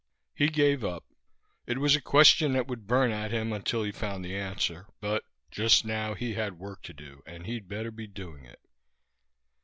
He gave up. It was a question that would burn at him until he found the answer, but just now he had work to do, and he'd better be doing it.